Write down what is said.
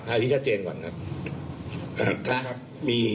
เอาที่ชัดเจนก่อนครับ